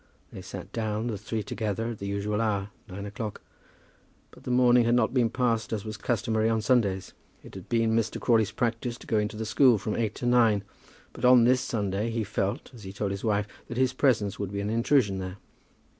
They sat down, the three together, at the usual hour, nine o'clock, but the morning had not been passed as was customary on Sundays. It had been Mr. Crawley's practice to go into the school from eight to nine; but on this Sunday he felt, as he told his wife, that his presence would be an intrusion there.